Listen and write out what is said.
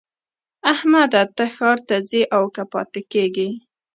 احمده! ته ښار ته ځې او که پاته کېږې؟